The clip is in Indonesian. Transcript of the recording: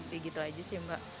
begitu aja sih mbak